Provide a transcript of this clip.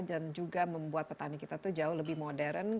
dan juga membuat petani kita itu jauh lebih modern